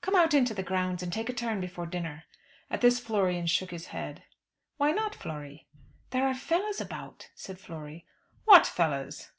"Come out into the grounds, and take a turn before dinner." At this Florian shook his head. "Why not, Flory." "There are fellows about," said Flory. "What fellows?"